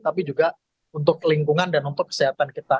tapi juga untuk lingkungan dan untuk kesehatan kita